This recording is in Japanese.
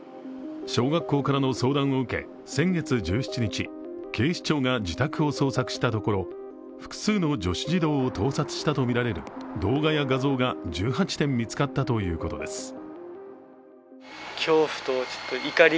小学校からの相談を受け、先月１７日警視庁が自宅を捜索したところ、複数の女子児童を盗撮したとみられる動画や画像が１８点見つかったということです。